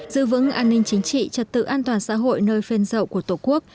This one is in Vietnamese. giữ vững an ninh chính trị trật tự an toàn xã hội nơi phên dậu của tổ quốc